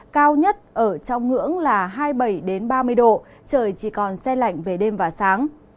cao nhất ở trong ngưỡng là hai mươi bảy ba mươi độ trời chỉ còn xe lạnh về đêm và sáng